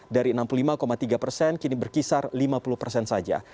dari enam puluh lima tiga persen kini berkisar lima puluh persen saja